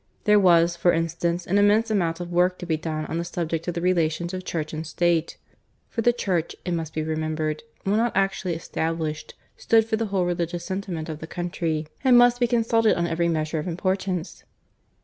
There was, for instance, an immense amount of work to be done on the subject of the relations of Church and State; for the Church, it must be remembered, while not actually established, stood for the whole religious sentiment of the country, and must be consulted on every measure of importance.